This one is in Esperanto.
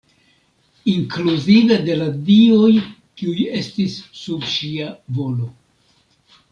Inkluzive de la dioj kiuj estis sub ŝia volo.